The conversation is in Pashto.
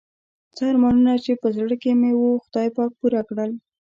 څه ارمانونه چې په زړه کې مې وو خدای پاک پوره کړل.